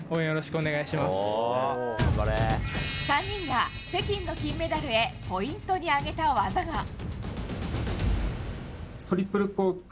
３人が北京の金メダルへポイントに挙げた技が。